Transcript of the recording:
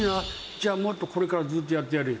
「じゃあもっとこれからずっとやってやるよ」。